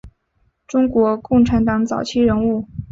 中国共产党早期人物。